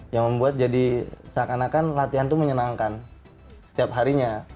yang membuat jadi seakan akan latihan itu menyenangkan setiap harinya